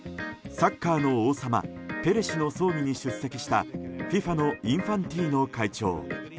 サッカーの王様ペレ氏の葬儀に出席したＦＩＦＡのインファンティーノ会長。